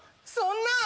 そんな！